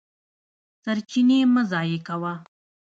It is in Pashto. سرچینې مه ضایع کوه.